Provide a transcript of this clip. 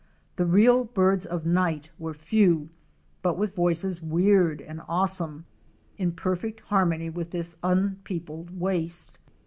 The real birds of night were few — but with voices weird and awe some, in perfect harmony with this unpeopled waste.